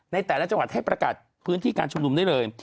ในแต่ละจังหวัดให้ประกาศพื้นที่การชุมนุมได้เลย